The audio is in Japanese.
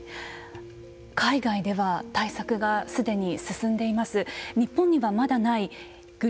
海外では対策がすでに進んでいます。